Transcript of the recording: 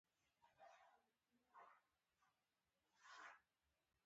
خو په فبروري میاشت کې هوا ډېره ښه وه.